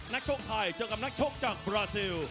ชกไทยเจอกับนักชกจากบราซิล